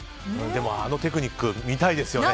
でもあのテクニック見たいですよね。